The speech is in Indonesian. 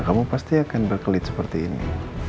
kamu pasti akan berkelit seperti ini